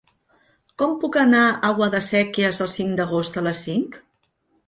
Com puc anar a Guadasséquies el cinc d'agost a les cinc?